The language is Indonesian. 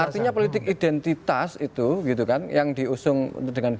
artinya politik identitas itu gitu kan yang diusung dengan dua ratus dua belas